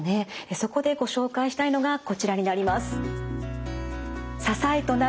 そこでご紹介したいのがこちらになります。